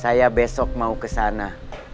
saya besok mau kesana